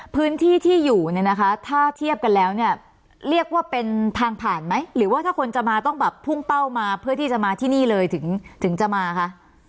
พื้นที่ที่อยู่เนี่ยนะคะถ้าเทียบกันแล้วเนี่ยเรียกว่าเป็นทางผ่านไหมหรือว่าถ้าคนจะมาต้องแบบพุ่งเป้ามาเพื่อที่จะมาที่นี่เลยถึงจะมาคะ